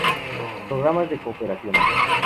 Programas de Cooperación.